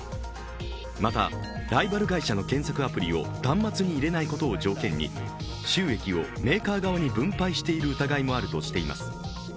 またライバル会社の検索アプリを端末に入れないことを条件に収益をメーカー側に分配している疑いもあるとしています。